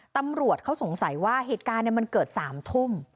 ตำรวจเขาสงสัยว่าเหตุการณ์มันเกิด๓ทุ่ม